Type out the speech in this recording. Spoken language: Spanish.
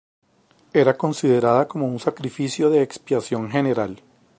Era considerada como un sacrificio de expiación general.